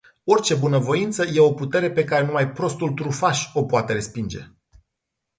Orice bunavoință e o putere pe care numai prostul trufaș o poate respinge.